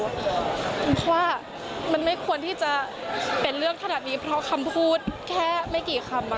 เพราะว่ามันไม่ควรที่จะเป็นเรื่องขนาดนี้เพราะคำพูดแค่ไม่กี่คำ